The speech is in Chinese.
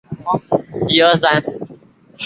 厄克维勒人口变化图示